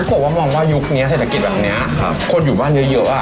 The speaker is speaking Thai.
คุณพุกกลบว่ามองว่ายุคนี้เศรษฐกิจแบบเนี้ยครับคนอยู่บ้านเยอะเยอะอ่ะ